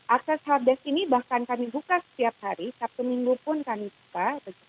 akses health desk ini bahkan kami buka setiap hari sabtu minggu pun kami buka